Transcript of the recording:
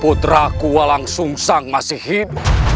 putra ku walang sung sang masih hidup